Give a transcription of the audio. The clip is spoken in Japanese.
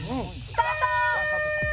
スタート！